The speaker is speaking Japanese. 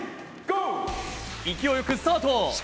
勢いよくスタート。